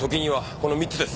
この３つです。